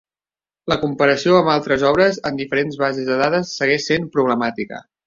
La comparació amb altres obres en diferents bases de dades segueix sent problemàtica.